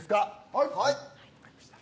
はい。